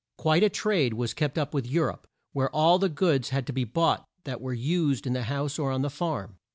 Quite a trade was kept up with Eu rope, where all the goods had to be bought that were used in the house or on the farm.